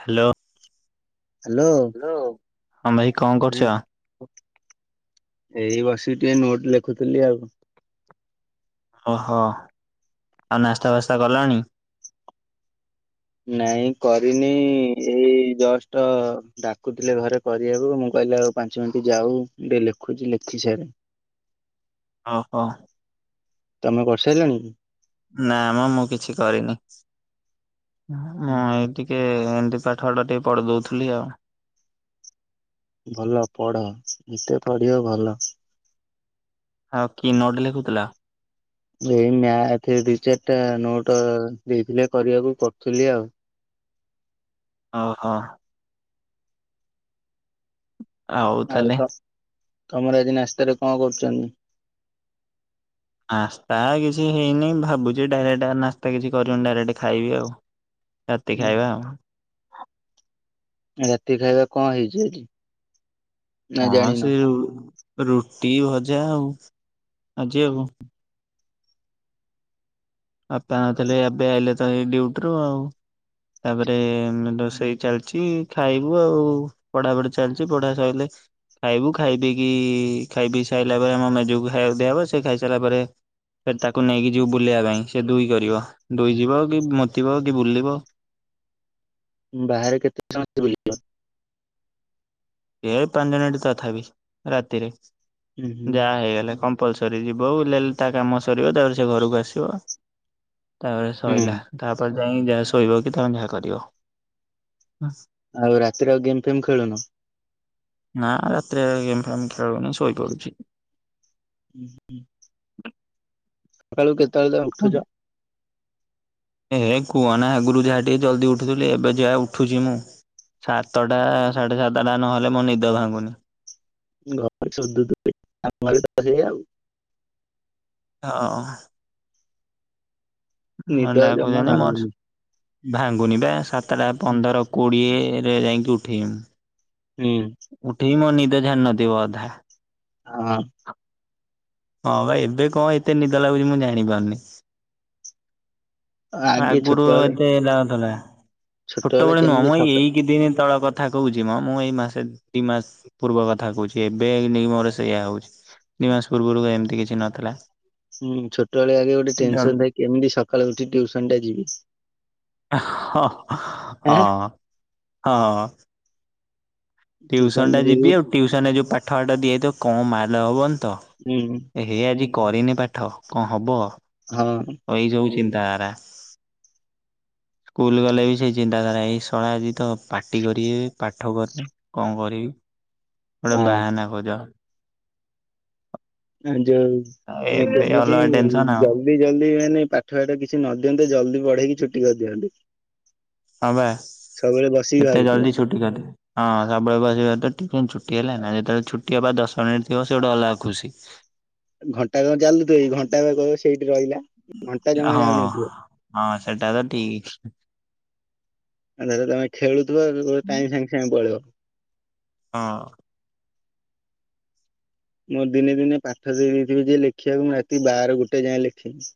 Hello. Hello. Hello. ହଁ ଭାଇ, କଣ ହଁ କରୁଛ? ଏଇ ବସିକି ଟିକେ ନୋଟ ଲେଖୁଥିଲି ଆଉ। ଓହୋ। ଆଉ ନାସ୍ତା ଫାସ୍ତା କଲଣି। ନାଇଁ କରିନି। ଏଇ ଜଷ୍ଟ ଡାକୁଥିଲେ ଘରେ। କରିବାକୁ। ମୁଁ କହିଲି, ଆଉ ପାଞ୍ଚ ମିନିଟ ଯାଉ। ଟିକେ ଲେଖୁଛି। ଲେଖି ସାରେ। ଓହୋ। ତମେ କରିସାରିଲଣି। ନାମ ମୁଁ କିଛି କରିନି। ହୁଁ ମୁଁ ହୁଁ। ଏଇଠି ଟିକେ ଏମିତି ପାଠ ଫାଠ ଟିକେ ପଢି ଦଉଥିଲି ଆଉ। ଭଲ ପଢ। ଯେତେ ପଢିବ ଭଲ। ଆଉ କି ନୋଟ୍ ଲେଖୁଥିଲା? ଏଇ ମ୍ୟାଥ ଦିଇ ଚାରିଟା ନୋଟ ଦେଇଥିଲେ କରିବାକୁ। କରୁଥିଲି ଆଉ। ଓହୋ। ଆଉ ତ। ତମର ଆଜି ନାସ୍ତାରେ କଣ କରୁଛନ୍ତି? ନାସ୍ତା କିଛି ହେଇନି। ଭାବୁଛି ଡାଇରେକ୍ଟ ନାସ୍ତା କିଛି କରିବିନି। ଡାଇରେକ୍ଟ ଖାଇବି ଆଉ। ରାତି ଖାଇବା ଆଉ। ରାତି ଖାଇବା କଣ ହେଇଛି ଆଜି? ନା ହଁ, ଜାଣିନ? ସେ ଯୋଉ ରୁଟି ଭଜା ଆଉ। ଆଜି ଆଉ। ବାପା ନଥିଲେ। ଏବେ ଆଇଲେ ତ, ଏଇ ଡିଉଟିରୁୁ ଆଉ। ତାପରେ ରୋଷେଇ ଚାଲିଛି ଖାଇବୁ ଆଉ। ପଢାପଢି ଚାଲିଚି। ପଢା ସଇଲେ। ଖାଇବୁ। ଖାଇପିଇ କି ଖାଇ ପିଇ ସାଇଲା ପରେ, ଆମ ମେଜକୁ ଖାଇବା ଦିଆହବ। ସେ ଖାଇ ସାରିଲା ପରେ, ସେ ତାକୁ ନେଇକି ଯିବୁ ବୁଲିବା ପାଇଁ। ସେ ଦୁଇ କରିବ ଦୁଇ ଯିବ, କି ମୁତିବ କି ବୁଲିବ। ବାହାରେ କେତେ ସମ ଏ ପାଞ୍ଚ ମିନିଟ ତଥାପି, ରାତିରେ। ହୁଁ ହୁଁ ଯାହା ହେଇଗଲା କ କମ୍ପଲସରି। ଯିବ ବୁଲି ବାଲି ତା କାମ ସରିବ। ତାପରେ ସେ ଘରକୁ ଆସିବ। ତାପରେ ହୁଁ। ସଇଲା। ତାପରେ ଯାଇ ଯାହା, ଶୋଇବ କି ତମେ ଯାହା କରିବ। ଆଉ ରାତିରେ ଆଉ ଗେମ୍ ଫେମ ଖେଳୁନ। ନା ରାତିରେ ଆଉ ଗେମ୍ ଫେମ୍ ଖେଳୁନି। ଶୋଇପଡୁଛି। [inaudible] ସକାଳୁ କେତେବେଳେ ତମେ ଉଠୁଛ। ଏହେ କୁହନା। ଆଗରୁ ଯାହା ଟିକେ ଜଲ୍ଦି ଉଠୁଥିଲି। ଏବେ ଯାହା ଉଠୁଛି ମୁଁ। ସାତଟା, ସାଢେ ସାତଟା ନହେଲେ ମୋ ନିଦ ଭାଙ୍ଗୁନି। ଗପରେ। ହଁ। ନିଦ ମାନେ ୟାକୁ ଜମା ଜଣେ। ମୋର ଭାଙ୍ଗୁନି। ଭାଙ୍ଗୁନି ବା ସାତଟା ହୁଁ ପନ୍ଦର। କୋଡ଼ିଏରେ ଯାଇକି ଉଠେମୁଁ। ହୁଁ। ଉଠିକି ମୋ ନିଦ ଛାଡ଼ିନଥିବ ଅଧା। ହଁ। [inaudible] ହଁ ବା। ଏବେ କଣ ଏତେ ନିଦଲାଗୁଚି, ମୁଁ ଜାଣି ପାରୁନି। ଆଗେ ଆଗରୁ ଛୋଟବେଳେ ଏତେଲାଗୁନଥିଲା। ଛୋଟବେଳେ ନୁହଁ କେମିତି ମ ସକା ଏଇକେତେଦିନି ତଳକଥା। କଥା କହୁଛି ମ। ମୁଁ ଏଇ ମାସ ଦି ମାସ ପୂର୍ବ କଥା କହୁଛି। ଏବେ ମୋ ସେଇୟା ହଉଛି। ଦିଇ ମାସ ପୂର୍ବରୁ ଏମିତି କିଛି ନଥିଲା। ହୁଁ। ଛୋଟବେଳେ ଆଗେ ଗୋଟେ ଟେନସନ ଥାଏ, କେମିତି ସକାଳୁ ଉଠି ଟ୍ୟୁସନ ଟା ଯିବି। ହଁ। ଆଁ ହଁ। ହଁ। ଟିଉସନ ଟ୍ୟୁସନ ଟା ଯିବୁ ଯିବି। ଆଉ ଟିଉସନ ରେ ଯେଉଁ ପାଠ ଟା ଦିଆହେଇଥିବକଣ ମାଡ ହବନି ତ। ହୁଁ। ହେ ହେ ଆଜି କରିନି ପାଠ କଣ ହବ। ହଁ। ଏଇସବୁ ଚିନ୍ତାଧାରା। ସ୍କୁଲ ଗଲେ ବି ସେଇ ଚିନ୍ତାଧାରା। ଏଇ ଶଳା ଆଜି ତ ପାଟିକରିବେ ପାଠକରିନି। କଣ କରିବି ଗୋଟେ ବାହାନା କରିଦେବା। ଆ ଯଉ। ଆଉ ଏବେ ଅଲଗା ନୀତିରୀତି ଯାଉ। ଟେନସନ ଆଉ। ଜଲଦି ଜଲଦି ମାନେ ପାଠ ଫାଟ କିଛି ନ ଦିଅନ୍ତୁ ଜଲ୍ଦି ପଢେଇକି ଛୁଟି କରିଦିଅନ୍ତୁ। ହଁ ସବୁବେଳେ ବସିକି ଭାବୁଥିବ। ହେଲା। ହଁ ସବୁବେଳେ ବସି ଭାବୁଥିବ ଛୁଟି ହେଲା। ଟିକେ ଛୁଟି ହେଲେ। ଯେତେବେଳେ ଛୁଟି ହେବା ଦଶ ମିନିଟ ଥିବ ସେ ଗୋଟେ ଅଲଗା ଖୁସି। ଘଣ୍ଟା କଣ ଚାଲୁଥିବ କି ଘଣ୍ଟାପା। ସେଇଠି ରହିଲା। ଘଣ୍ଟା ଜମା ହଁ ଯାଉନଥିବ ହଁ ସେଟା ତ ଠିକ। ତାପରେ ତମେ ତ ଖେଳୁଥିବ ସେତେବେଳେ ଟାଇମ୍ ଟ ସାଙ୍ଗେ ସାଙ୍ଗେ ପଳେଇବ। ହଁ। ମୋ ଦିନେ ଦିନେ ପାଠ ଦେଇ ଦେଇଥିବେ ଯେ ଲେଖିବାକୁ ମୁଁ ରାତି ବାର ଗୋଟେ ଯାଏଁ ଲେଖିବି।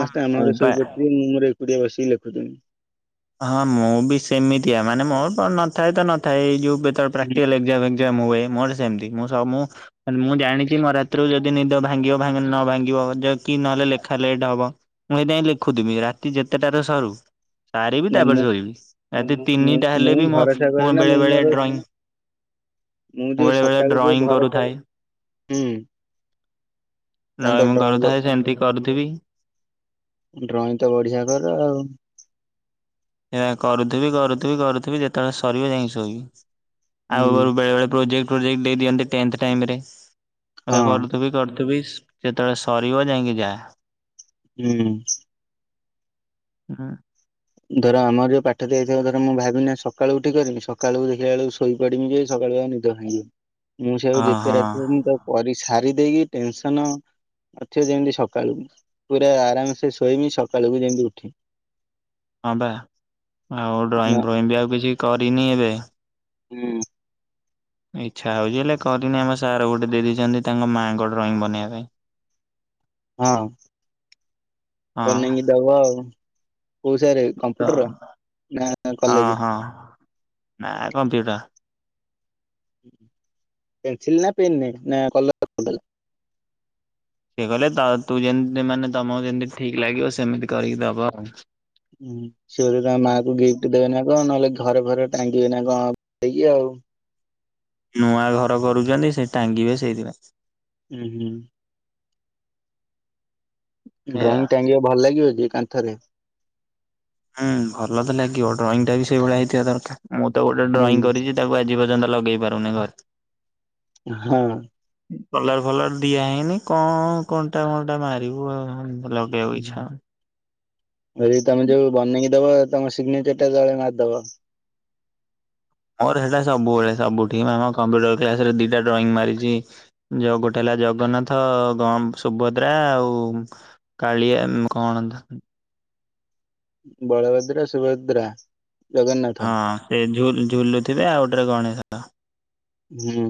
ହଁ ଆମ ମୁଁ ଘରେ ପା ଶୋଇପଡିିଥିବେ ମୁଁ ମୋର ଏକୁଟିଆ ବସିକି ଲେଖୁଥିବି। ହଁ ମୁଁ ବି ସେମିତିଆ। ମାନେ ମୋର କଣ ନଥାଏ ତ ନଥାଏ ଏଇ ଯୋଉ ଏଥର ହୁଁ। Practical exam. ମୁଁ ଏ। ମୋର୍ ସେମିତି ମୁଁ ସବୁ ମୁଁ। ମୁଁ ଜାଣିଛି ମୋ ରାତିରୁ ଯଦି ନିଦ ଭାଙ୍ଗିବ ନ ଭାଙ୍ଗିବ କି ନହେଲେ ଲେଖାଲେଖି ଟେ ହବ। ମୁଁ ହେଇଥିପାଇଁ ଲେଖୁଥିବି ରାତି ଯେତେଟାରେ ସରୁ। ସାରିବି ନା ତାପରେ ମୁଁ। ଶୋଇବି। ରାତି ତିନିଟା ହେଲେ ମୁଁ ବି ମୋ ଭରସା କରେ ନା ବେଳେ ମୁଁ ବେଳେ ମୋର। ଡ୍ରଇଂ ମୁଁ ଯେ ବେଳେ ବେଳେ ସକାଲୁ ଠୁ ଯେ ଡ୍ରଇଂ ଘର ଛାଡୁ କରୁଥାଏ। ହୁଁ ତମେ ନାଇଁ ତ ମୁଁ ଡ୍ରଇଂ ବ ଡରୁଥାଏ ସେମିତି କରୁଥିବି। ଡ୍ରଇଂ ତ ବଢିଆ କରେ ଆଉ ଏହା କରୁଥିବି କରୁଥିବି କରୁଥିବି ଯେତେବେଳେ ସରିବ ଯାଇ କି ଶୋଇବି। ଆଉ ହୁଁ ବେଳେ ବେଳେ ପ୍ରୋଜେକ୍ଟ ପ୍ରୋଜେକ୍ ଦେଇ ଦିଅନ୍ତି ତେଣ୍ଟ ଟାଇମ୍ ରେ ହଁ କରୁଥିବି କରୁଥିବି ତୁବିସ ଯେତେବେଳେ ସରିବ ଯାଇ କି ଯା ହୁଁ। ହୁଁ। ଧର ଆମର ଯଉ ପାଠ ଦିଆଯାଇ ଧର ମୁଁ ଭାବି ନିଅ ସକାଳୁ ଉଠିି କରି ସକାଳୁ ଦେଖିଲା ବେଳକୁ ଶୋଇ ପଡିବି ଯେ ସକାଳୁ ଆ ନିବି ମୁଁ ହଁ ସେୟାକୁ ଯେତେ ହଁ। ରାତି ହଉ ମୁ ତକୁ କରି ସାରି ଦେଇକି ଟେନସନ ତଥ୍ୟ ଯେମିତି ସକାଳୁ ପୁରା ଆରାମ ସେ ଶୋଇବି ସକାଳୁକୁ ଯେମିତି ଉଠିବି। ହଁ ବା ଆଉ ନ ଡ୍ରଇଂ ଫ୍ରଇଂ ବି ଆଉ କିଛି କରିନି ଏବେ। ହୁଁ। ଇଚ୍ଛା ହଉଛି ହେଲେ କରିନି ଆମ ସାର୍ ଗୋଟେ ଦେଇଦେଇଛନ୍ତି ତାଙ୍କ ମାଆଙ୍କ ଡ୍ରଇଂ ବନେଇବା ପାଇଁ। ହଁ ବନେଇ ହଁ କି ଦବ ଆଉ କୋଉ ସାର ତ କମ୍ପୁଟର ନା କଲେଜ? ନାଁ କମ୍ପ୍ୟୁଟର। ପେନସିଲ ନା ପେନ୍ ନାଇଁ ନା କଲଲ କିଏ ଗଲେ ତ ତୁ ଯେମି ଯେମାନେ ତମକୁ ଯେମିତି ଠିକ ଲାଗିବ ସେମିତି କରିକି ଦବ ଆଉ। ହୁଁ ସିଏ ବୋଧେ ତାଙ୍କ ମାକୁ ଗିଫ୍ଟ ଦେବେ ନା କଣ ନହେଲେ ଘରେ ଘରେ ଟାଙ୍ଗିବେ ନା କଣ। ଦେଗିଆ ଆଉ ନୂଆ ଘର କରୁଛନ୍ତି ସେ ଟାଙ୍ଗିବେ ସେଇଥିପାଇଁ। ହୁଁ ହୁଁ। ଏଇଆ। ଡ୍ରଇଂ ଟାଙ୍ଗିବା ଭଲ ଲାଗିବ ଯେ କାନ୍ଥରେ। ହୁଁ ଭଲ ତ ଲାଗିବ ଡ୍ରଇଂ ଟା ବି ସେଇଭଳିଆ ହେଇଥିବା ଦରକାର ମୁଁ ତ ଗୋଟେ ହୁଁ ଡ୍ରଇଂ କରିଛି ତାକୁ ଆଜି ପର୍ଯ୍ୟନ୍ତ ଲଗେଇ ପାରୁନି ଘରେ। ହୁଁ। କଲର ଫଲର ଦିଆ ହେଇନି କଣ କଣ୍ଟା ଫଣ୍ଟା ମାରିବୁ ଆଉ ଲ ବଉ ଇଚ୍ଛା। ଏ ତମେ ଯୋଉ ବନେଇକି ଦବ ତମ ସିଗ୍ନେଚର ଟା ତଳେ ମାରିଦବ। ମୋର ସେଟା ସବୁବେଳେ ସବୁ ଠି ଆମ କମ୍ପ୍ୟୁଟର କ୍ଲାସରେ ଦିଟା ଡ୍ରଇଂ ମାରିଛି ଯ ଗୋଟେ ହେଲା ଜଗନ୍ନାଥ ଗ ସୁଭଦ୍ରା ଆଉ କାଳିଆ ଉଁ କଣା ଧା ବଳଭଦ୍ର ସୁଭଦ୍ରା ଜଗନ୍ନାଥ ହଁ ସେ ଝୁଲ ଝୁଲୁଥିବେ ଆଉ ଗୋଟେ ଗଣେଶ। ହୁଁ,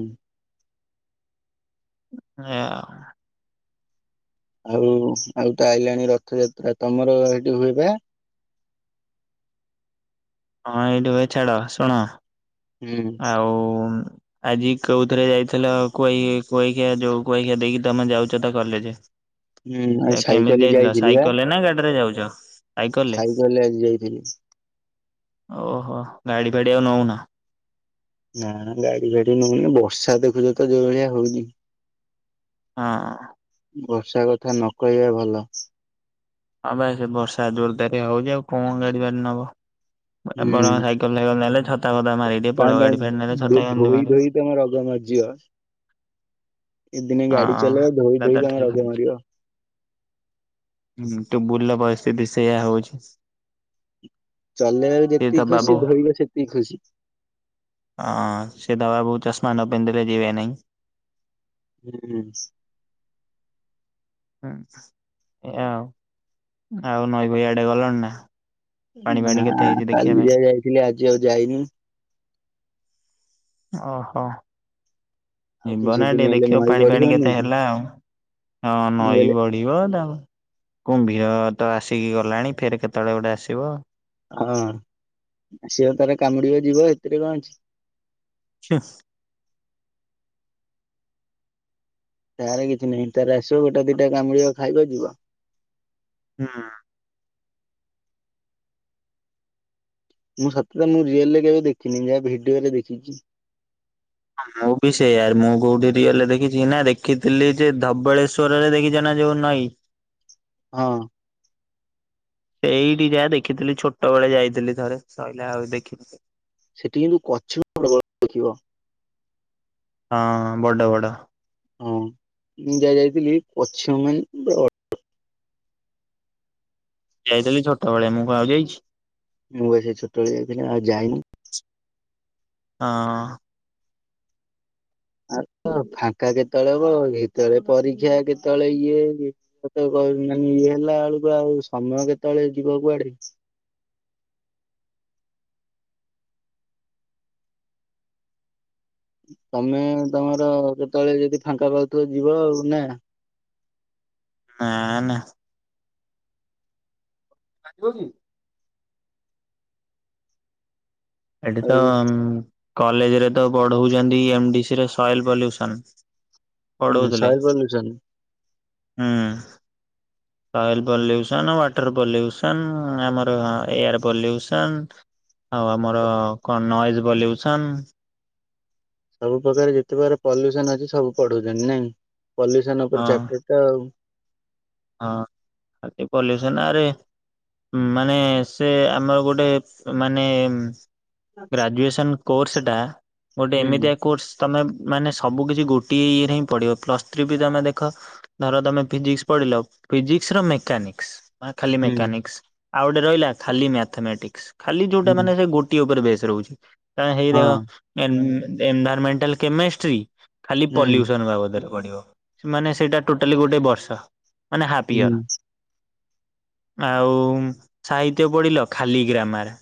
ଆ। ହଉ ଆଉ ତ ଆଇଲାଣି ରଥଯାତ୍ରା ତମର ହେଠି ହୁଏ ପା? ହଁ ଏଇଠୁ ଭାଇ ଛାଡ ଶୁଣ ହୁଁ ଆଉ ଆଜି କୋଇ ଥିରେ ଯାଇଥିଲ କୋଇ କୁଆଖିଆ ଯୋଉ କୁଆଖିଆ ଦେଇକି ତମେ ଯାଉଛ ତ କଲେଜ। ହୁଁ ଆଉ କେମିତି ସାଇକେଲରେ ଯାଇଥିଲ ଯାଇଥିଲି ବା ସାଇକେଲ ନା ଗାଡିରେ ଯାଉଛ? ସାଇକଲେ ସାଇକେଲରେ ଆଜି ଯାଇଥିଲି। ଓହୋ ଗାଡି ଫାଡି ଆଉ ନଉନା? ନା ଗାଡି ଫାଡି ନଉନି ବର୍ଷା ଦେଖୁଛ ତ ଯୋଉ ଭଳିଆ ହଉଚି। ହଁ। ବର୍ଷା କଥା ନ କହିବା ଭଲ ହ ବା ସେ ବର୍ଷା ଜୋରଦାର ରେ ହଉଛି ଆଉ କଣ ଗାଡିଫାଡ଼ି ନବ ବରଂ ହୁଁ ସାଇକେଲ ନେଲେ ଛତା ଫତା ମାରିକି ଟିକେ ପଳେଇବ ତାହେଲେ ଗାଡି ଫାଡ଼ି ନେଲେ ଛତା କେମି ଧୋଇ ଧୋଇ ତମ ରଗ ମରିଯିବ ଏଇ ଦିନେ ଗାଡି ହଁ ଚଲେଇବ ଧୋଇ ଧୋଇ ଦାଦା ତମ ଠିକ୍ ରଗ ମରିବ ହୁଁ ତୁବୁଲ ର ପରିସ୍ଥିତି ସେଇୟା ହଉଛି ଚଲେଇବା ବି ସିଏ ଯେତିକି ତା ବାବୁ ଖୁସି ଧୋଇବା ସେତିକି ଖୁସି ହଁ ସେ ଦବା ବହୁ ଚଷମା ନ ପିନ୍ଧିଲେ ଯିବେ ନାହିଁ ହୁଁ ହୁଁ ଏଆ ଆଉ ନଈ ଫଇଆଡେ ଗଲଣି ନା ପାଣି ଫାଣି ନା କେତେ ହେଇଛି ଦେଖିବା କାଲି ପାଇଁ? ଯାହା ଯାଇଥିଲି ଆଜି ଆଉ ଯାଇନି ଓହୋ ଆଉ ଯିବ କିଛି ନା ଦିନ ଟିକେ ହେଲେ ଦେଖିବ ନଈ ପାଣି ପାାଣି ବଢିବନି କେତେ କି ହେଲା ଆଉ ହଁ ମୁଁ ନଈ କହିଲି ବ ପିବ କୁମ୍ଭୀର ତ ଆସିକି ଗଲାଣି ଫେର କେତେବେଳେ ଗୋଟେ ଆସିବ ହଁ ସିଏ ତାର କାମୁଡିବ ଯିବ ଏଥିରେ କଣ ଅଛି ହୁଁ ତାର କିଛି ନାହିଁ ତାର ଆସିବ ଗୋଟେ ଦିଟା କାମୁଡିବ ଖାଇବ ଯିବ ହଁ ମୁଁ ସତରେ ମୁଁ ରିଏଲ ରେ କେବେ ଦେଖିନି ଯାହା ଭିଡିଓ ରେ ଦେଖିଛି ହ ମୁଁ ବି ସେଇଆା ମୁଁ କୋଉଠି ରିୟଲେ ଦେଖିଛି ନା ଦେଖିଥିଲି ଯେ ଧବଳେଶ୍ଵର ରେ ଦେଖିଛ ନା ଯୋଉ ନଈ ହଁ ସେଇଠି ଯାହା ଦେଖିଥିଲି ଛୋଟ ବେଳେ ଯାଇଥିଲି ଥରେ ସଇଲା ଆଉ ଦେଖିନି ସେଠି କିନ୍ତୁ କଛିମ ପ୍ରବଳ ଦେଖିବ ହଁ ବଡ ବଡ ହଁ ମୁଁ ଯାହା ଯାଇଥିଲି କଛିମ ମାନେ ପ୍ର ଯାଇଥିଲି ଛୋଟବେଳେ ମୁଁ କଣ ଆଉ ଯାଇଛି ମୁଁ ବା ସେଇ ଛୋଟବେଳେ ଯାଇଥିଲି ଆଉ ଯାଇନି ହଁ ହଁ ଆ ଫାଙ୍କା କେତେବେଳେ ହବ କେତେବେଳେ ପରୀକ୍ଷା କେତେବେଳେ ଇଏ ତେ ମାନେ ଇଏ ହେଲା ବେଳକୁ ଆଉ ସମୟ କେତେବେଳେ ଯିବ କୁଆଡେ ତମେ ତମର ଯେତେବେଳେ ଯଦି ଫାଙ୍କା ପାଉଥିବ ଯିବ ଆଉ ନା ନା ନା ସାଙ୍ଗ କି ଏଠି ତ ଆଉ କଲେଜରେ ତ ବଢଉଛନ୍ତି ଏମଡି ସି ର ସଏଲ ପଲ୍ୟୁସନ ସଏ ପଡଉଥିଲେ ପଲୁସନ ହୁଁ ସଏଲ ପଲ୍ୟୁସନ୍ ୱାଟର ପଲ୍ୟୁସନ୍ ଆମର ହଁ ଏୟାର ପଲ୍ୟୁସନ୍ ଆଉ ଆମର କଣ ନଏଜ ବଲିଉସନ ସବୁ ପ୍ରକାର ଯେତେବେ ପଲ୍ୟୁସନ ଅଛି ସବୁ ପଢଉଛନ୍ତି ନାଇଁ ପଲ୍ୟୁସନ ଉପରେ ହଁ ଚାପ୍ଟର ଟା ଆଉ ହଁ ଖାଲି ପଲ୍ୟୁସନ୍ ଆରେ ମାନେ ସେ ଆମର ଗୋଟେ ମାନେ ଆଉ ଗ୍ରାଜୁଏସନ୍ କୋର୍ସଟା ଗୋଟେ ହୁଁ ଏମିତିଆ କୋର୍ସ ତମେ ମାନେ ସବୁ କିିଛି ଗୋଟିଏ ଇଏରେ ହିଁ ପଢିବ ପ୍ଲସ୍ ଥ୍ରୀ ବି ତମେ ଦେଖ ଧର ତମେ ଫିଜିକ୍ସ ପଢିଲ ଫିଜିକ୍ସ ର ମେକାନିକ୍ସ ଖାଲି ହୁଁ ମେକାନିକ୍ସ ଆଉ ଗୋଟେ ରହିଲା ଖାଲି ମ୍ୟାଥମେଟିକ୍ସ ଖାଲି ଯୋଉଟା ହୁଁ ମାନେ ସେ ଗୋଟିଏ ଉପରେ ବେଶ ରହୁଛି କ ହେଇରେ ହଁ ଏ ନ ଏନ୍ ଭାର୍ମେଣ୍ଟାଲ କେମିଷ୍ଟ୍ରି ଖାଲି ହୁଁ ପଲ୍ୟୁସନ ବାବଦରେ ପଢିବ। ସେ ମାନେ ସେଇଟା ଟୋଟାଲି ଗୋଟେ ବର୍ଷ ମାନେ ହାପ୍ ହୁଁ ୟର। ଆଉ ସାହିତ୍ୟ ପଢିଲ ଖାଲି ଗ୍ରାମାର୍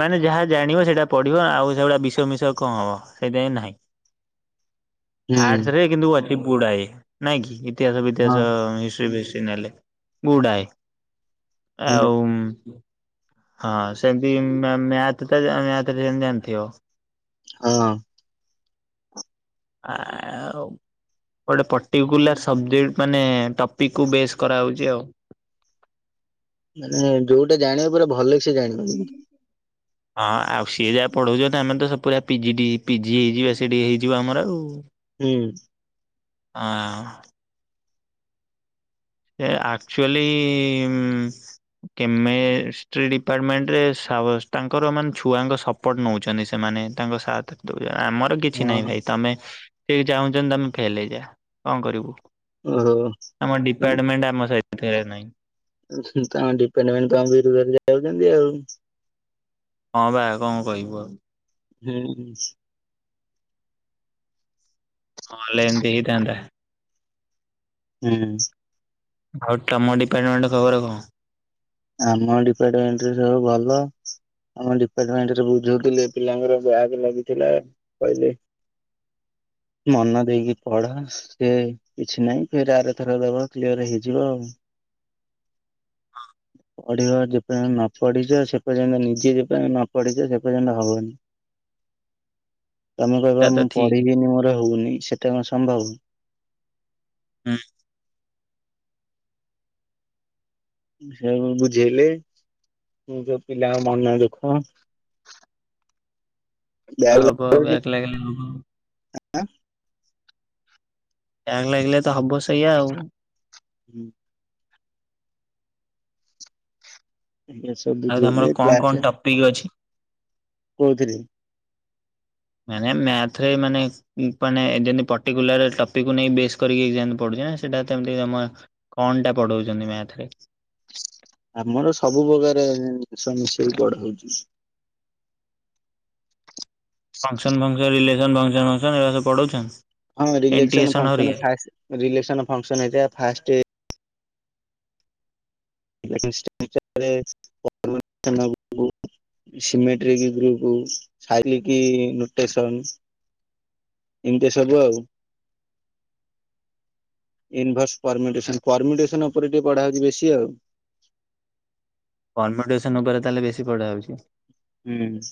ମାନେ ଯାହା ଜାଣିବ ସେଇଟା ପଢିବ ଆଉ ସେଗୁଡା ବିଷୟ ମିଷ କଣ ହବ ସେଇଥିପାଇଁ ନାହିଁ [inaudible] ହୁଁ ଆର୍ଟସ୍ ରେ କିନ୍ତୁ ଅତି ବୁଡାଏ ନାଇଁକି ଇତିହାସ ହଁ ବିତିହାସ ଏସବୁ ନେଲେ ଗୁଡାଏ ହୁଁ ଆଉ ହଁ ସେମିତି ମ୍ୟା ମ୍ୟାଥି ମ୍ୟାଥ ଟା ଜାଣିଥିବ। ହଁ ଆଉ ଗୋଟେ ପର୍ଟିକୁଲାର୍ ସବ୍ଜେକ୍ଟ ସେଟ୍ ମାନେ ଟପିକ୍ କୁ ବେଶ୍ କରାହାଉଛି ଆଉ ମାନେ ଯୋଉଟା ଜାଣିବ ପୁରା ଭଲ ସେ ଜାଣିବ ହଁ ଆଉ ସିଏ ଯାହା ପଢଉଛନ୍ତି ଆମେ ତ ପୁରା ପିଜିଡ଼ି ପିଜି ହେଇଯିବା ସେଠି ହେଇଯିବ ଆମର ଆଉ ହୁଁ ହଁ ଏ ଆକ୍ଚୁଆଲି କେମେଷ୍ଟି ଡିପାର୍ଟମେଣ୍ଟ ରେ ତାଙ୍କର ମାନେ ଛୁଆଙ୍କ ସ ସପଟ ନଉଛନ୍ତି ସେମାନେ ତାଙ୍କ ସାଥ ଦଉଛନ୍ତି ଆମର କିଛି ନାଇଁ ହଁ। ଭାଇ ତମେ ଠିକ୍ ଚାହୁଁଛନ୍ତି ତମେ ଫେଲ୍ ହେଇଯା କଣ କରିବୁ ଓହୋ ଆମ ଡିପାର୍ଟମେଣ୍ଟ ଆମ ସାଇଡ୍ ରେ ନାଇଁ। ତ ଡିପେଣ୍ଡ ମେଣ୍ଟ ବିରୁଦ୍ଧରେ ଯାଉଛନ୍ତି ଆଉ ହଁ ବା କଣ କହିବୁ ଆଉ ହୁଁ ନହେଲେ ଏମିତି ହେଇଥାନ୍ତା। ହୁଁ ଆଉ ତମ ଡିପାର୍ଟମେଣ୍ଟ ଖବର କଣ? ଆମ ଡିପାର୍ଟମେଣ୍ଟରେ ସବୁ ଭଲ। ଆମ ଡିପାର୍ଟମେଣ୍ଟରେ ଯୁଥିଲେ ପିଲାଙ୍କର ବ୍ୟାକ୍ ଲାଗିଥିଲା କହିଲେ [inaudible] ମନ ଦେଇକି ପଢ ସେ କିଛି ନାଇଁ ଫେରେ ଆର ଥର ଦବ କ୍ଲିୟର ହେଇଯିବ ଆଉ ପଢିବ ଯେପର୍ଯ୍ୟନ୍ତ ନ ପଢିଛ ସେ ପର୍ଯ୍ୟନ୍ତ ନିଜେ ଯେପର୍ଯ୍ୟ ନ ପଢିଛ ସେ ପର୍ଯ୍ୟନ୍ତ ହବନି [inaudible] ତମେ କହିବ ତା ତ ମୁଁ ଠିକ ପଢିବିନି ମୋର ହଉନି ସେଟା କଣ ସମ୍ଭବ ହଁ ସେ ବୁଝେଇଲେ ମୁ ଯୋଉ ପିଲାଙ୍କ ମନ ଦୁଃଖ ବ୍ୟାଗ ହବ ଏବେ ବ୍ୟାକ୍ ଲାଗିଲେ ଟ୍ୟାଙ୍କ ଲାଗିଲେ ତ ହବ ସେଇଆ ଆଉ ହୁଁ ଏ ସବୁ ବୁଝେଇଲେ କ୍ଲାସ୍ ରେ ଠିକ୍ ଅଛି କହୁଥିଲି ମାନେ ମ୍ୟାଥରେ ମାନେ ମାନେ ଯେମିତି ପର୍ଟିକୁଲାର ଟପିକ୍ କୁ ନେଇ ବ କରିକି ମଯେମିତି ସେଟା ତ ଏମିତି ମାନେ କଣ ଟା ପଢଉଛନ୍ତି ମ୍ୟାଥିରେ ଆମର ସବୁ ପ୍ରକାର [unintelligible] ମିଶେଇକି କରି ଦେଇଚୁ। ଫଙ୍କସନ [unintelligible] ହଁ ରିଲେସନ ଏଣ୍ଟିଏସନ ଫକ୍ସନ୍ ହରିକା ଫାସ୍ ରିଲେସନ୍ ଫକ୍ସନ ହରିକା ଫାଷ୍ଟ [unintelligible] ସିମେଣ୍ଟରେ କି ଗୃପରୁ ସ [unintelligible] ନୋଟେସନ ଏମିତି ସବୁ ଆଉ। ଇନଭସ୍ ପରିମେଡେସନ୍। ପରିମେଡେସନ୍ଉପରେ ଟିକେ ପଢା ହଉଛି ବେଶୀ ଆଉ। ପରିମେଡେସନ୍ ଉପରେ ତାହେଲେ ବେଶୀ ପଢା ହଉଛି? ହୁଁ।